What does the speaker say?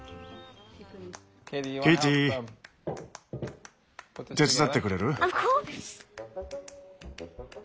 ケイティ手伝ってくれる？